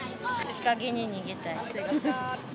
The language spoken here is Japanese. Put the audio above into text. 日陰に逃げたい。